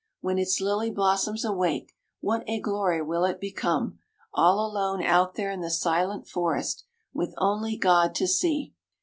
When its lily blossoms awake, what a glory will it become, all alone out there in the silent forest, with only God to see!